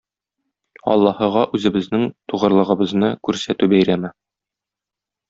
Аллаһыга үзебезнең тугрылыгыбызны күрсәтү бәйрәме.